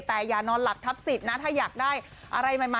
แต่อย่านอนหลับทับสิทธิ์นะถ้าอยากได้อะไรใหม่